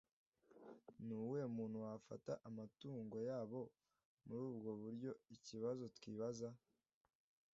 Ni uwuhe muntu wafata amatungo yabo muri ubwo buryoikibazo twibaza